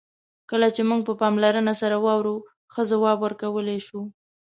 کله چې موږ په پاملرنه سره واورو، ښه ځواب ورکولای شو.